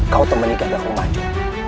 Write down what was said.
kau temani gagal pemacu